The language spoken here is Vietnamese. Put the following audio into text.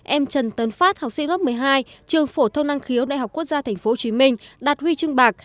em trần tấn phát học sinh lớp một mươi hai trường phổ thông năng khiếu đhq tp hcm đạt huy chương bạc